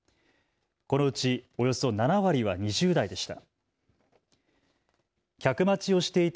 このうちおよそ７割は２０代でした。